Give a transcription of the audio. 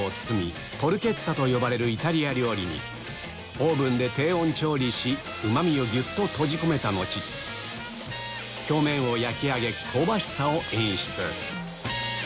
オーブンで低温調理しうまみをギュっと閉じ込めた後表面を焼き上げ香ばしさを演出